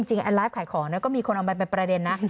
ไลฟ์ขายของก็มีคนเอาไปเป็นประเด็นนะ